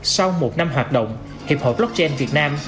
sau một năm hoạt động hiệp hội blockchain việt nam